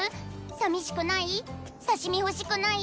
さみしくない？